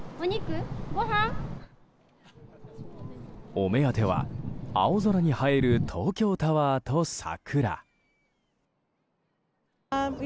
お目当ては青空に映える東京タワーと桜。